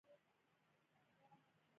د سرې میاشتې ټولنه چا سره مرسته کوي؟